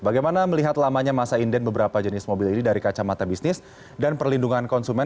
bagaimana melihat lamanya masa inden beberapa jenis mobil ini dari kacamata bisnis dan perlindungan konsumen